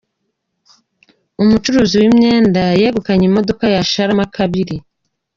Umucuruzi w’imyenda yegukanye imodoka ya Sharama kabiri